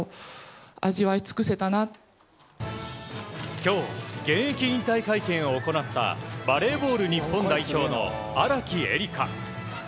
今日、現役引退会見を行ったバレーボール日本代表の荒木絵里香。